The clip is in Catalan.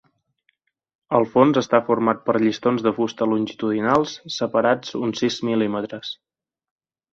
El fons està format per llistons de fusta longitudinals separats uns sis mil·límetres.